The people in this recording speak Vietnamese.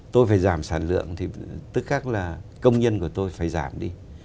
tôi phải giảm sản lượng thì tức khắc là công nhân của tôi phải giảm đi